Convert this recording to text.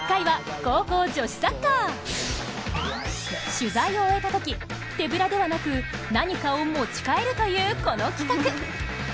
取材を終えたとき、手ぶらではなく何かを持ち帰るというこの企画。